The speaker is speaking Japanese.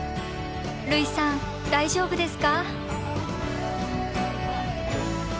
類さん大丈夫ですか？